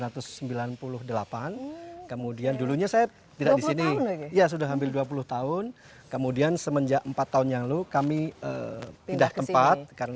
tapi jika seperti ini apakah ini akan diperbolehkan